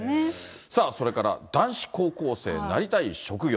さあ、それから男子高校生、なりたい職業。